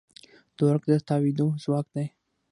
تورک د تاوېدو ځواک دی.